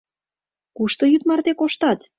Кушто йӱд марте коштат?